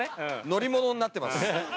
乗り物になってます。